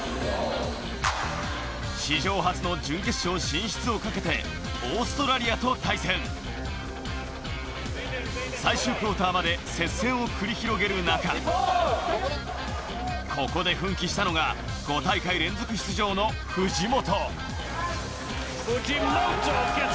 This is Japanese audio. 史上初の準決勝進出をかけてオーストラリアと対戦。最終クオーターまで接戦を繰り広げる中、ここで奮起したのが５大会連続出場の藤本。